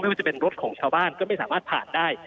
ว่าจะเป็นรถของชาวบ้านก็ไม่สามารถผ่านได้